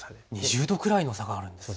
２０度くらいも差があるんですね。